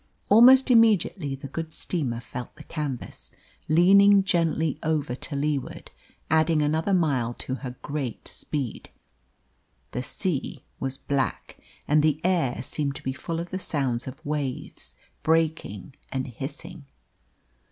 Almost immediately the good steamer felt the canvas, leaning gently over to leeward, adding another mile to her great speed. The sea was black, and the air seemed to be full of the sounds of waves breaking and hissing.